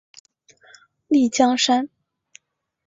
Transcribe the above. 丽江杉